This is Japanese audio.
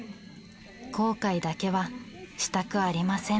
後悔だけはしたくありません。